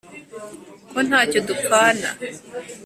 ko nta cyo dupfana